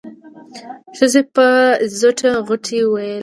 ښځې په زوټه غوټۍ وويل.